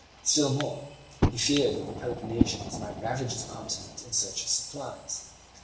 Still more he feared that the Peloponnesians might ravage the continent in search of supplies.